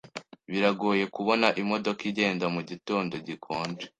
Biragoye kubona imodoka igenda mugitondo gikonje.